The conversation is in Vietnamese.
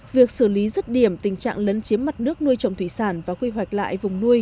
việc xử lý rứt điểm tình trạng lấn chiếm mặt nước nuôi trồng thủy sản và quy hoạch lại vùng nuôi